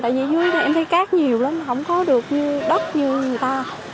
tại vì dưới này em thấy cát nhiều lắm không có được như đất như người ta